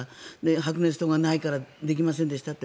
白熱灯がないからできませんでしたって。